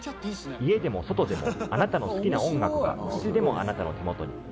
家でも外でもあなたの好きな音楽がいつでもあなたの手元に。